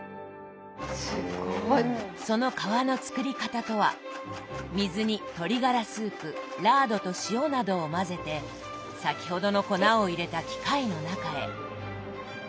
その皮の作り方とは水に鶏ガラスープラードと塩などを混ぜて先ほどの粉を入れた機械の中へ。